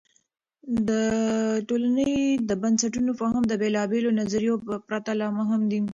د ټولنې د بنسټونو فهم د بېلابیلو نظریو په پرتله مهم دی.